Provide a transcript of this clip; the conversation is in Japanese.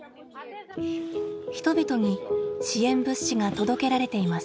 人々に支援物資が届けられています。